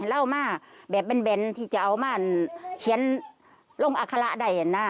เล่ามาแบบแบนที่จะเอามาเขียนลงอัคระได้นะ